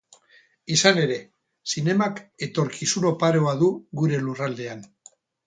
Izan ere, zinemak etorkizun oparoa du gure lurraldean.